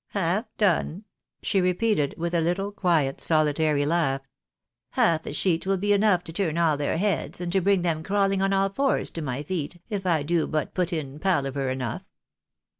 " Half done? " she repeated, with a little, quiet, solitary laugh. " Half a sheet will be enough to turn all their heads, and to bring them crawling on all fours to my feet, if I do but put in palaver enough."